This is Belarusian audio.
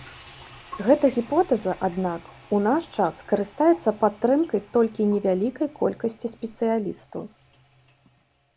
Гэта гіпотэза, аднак, у наш час карыстаецца падтрымкай толькі невялікай колькасці спецыялістаў.